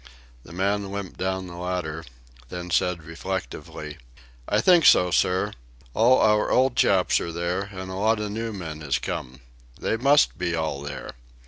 The man limped down the ladder, then said reflectively: "I think so, sir. All our old chaps are there, and a lot of new men has come.... They must be all there."